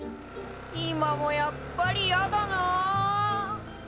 今もやっぱりやだな。